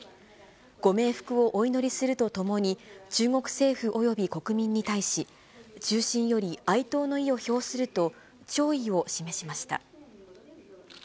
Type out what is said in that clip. ご冥福をお祈りするとともに、中国政府および国民に対し、衷心より哀悼の意を表すると、弔意を示しました。